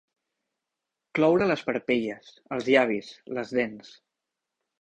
Cloure les parpelles, els llavis, les dents.